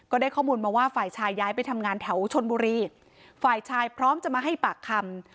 ได้ข้อมูลมาว่าฝ่ายชายย้ายไปทำงานแถวชนบุรีฝ่ายชายพร้อมจะมาให้ปากคำ